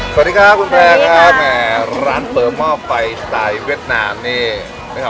สวัสดีครับคุณแพร่ครับร้านเผลอหม้อไฟสายเวียดนามนี่